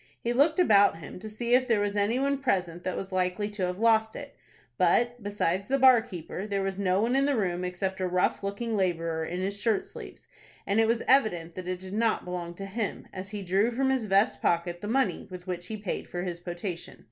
He looked about him to see if there was any one present that was likely to have lost it. But, besides the bar keeper, there was no one in the room except a rough looking laborer in his shirt sleeves, and it was evident that it did not belong to him, as he drew from his vest pocket the money with which he paid for his potation.